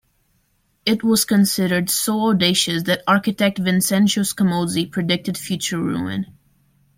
It was considered so audacious that architect Vincenzo Scamozzi predicted future ruin.